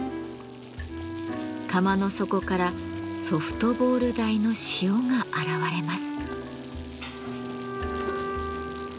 釜の底からソフトボール大の塩が現れます。